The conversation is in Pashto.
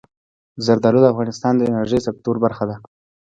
زردالو د افغانستان د انرژۍ سکتور برخه ده.